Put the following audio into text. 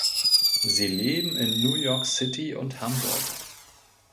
Sie leben in New York City und Hamburg.